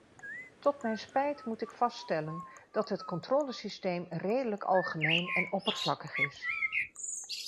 Tot mijn spijt moet ik vaststellen dat het controlesysteem redelijk algemeen en oppervlakkig is.